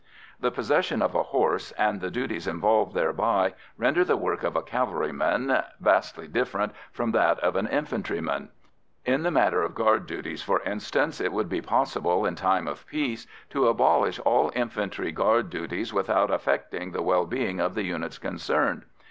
The possession of a horse and the duties involved thereby render the work of a cavalryman vastly different from that of an infantryman. In the matter of guard duties, for instance, it would be possible in time of peace to abolish all infantry guard duties without affecting the well being of the units concerned.